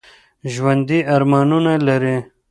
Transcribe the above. ژوندي ارمانونه لري